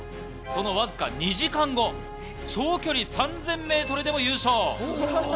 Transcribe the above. そのわずか２時間後、長距離３０００ｍでも優勝。